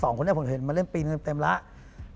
สองคนนี้ผมเห็นมาเล่นปีนึงเต็มแล้ว